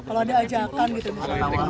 kalau ada ajakan gitu misalnya